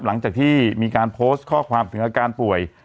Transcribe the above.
หลังจากที่มีการโพสต์ข้อความถึงอาการป่วย